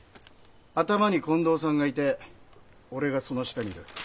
頭に近藤さんがいて俺がその下にいる。